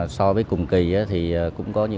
so với cùng kỳ cũng có